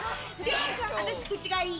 私、口がいい。